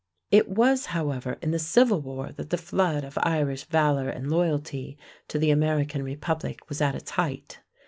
It was, however, in the Civil War that the flood of Irish valor and loyalty to the American Republic was at its height.